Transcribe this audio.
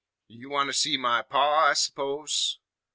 "You want to see my Pa, I s'pose?"